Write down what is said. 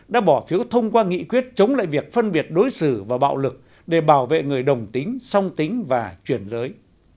đã bỏ phiếu thông qua nghị quyết chống lại việc phân biệt đối xử và bạo lực để bảo vệ người đồng tính song tính và chuyển lưới